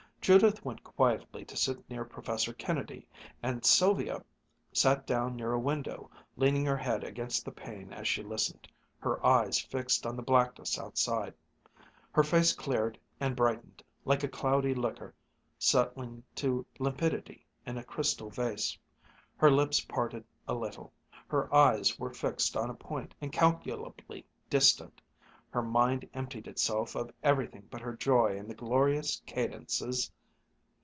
Judith went quietly to sit near Professor Kennedy, and Sylvia sat down near a window, leaning her head against the pane as she listened, her eyes fixed on the blackness outside. Her face cleared and brightened, like a cloudy liquor settling to limpidity in a crystal vase. Her lips parted a little, her eyes were fixed on a point incalculably distant. Her mind emptied itself of everything but her joy in the glorious cadences....